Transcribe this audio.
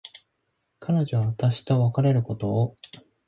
彼女は私と別れることを、大へん悲しがり、私を胸に抱きしめて泣きだしました。